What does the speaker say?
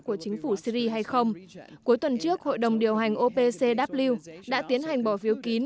của chính phủ syri hay không cuối tuần trước hội đồng điều hành opcw đã tiến hành bỏ phiếu kín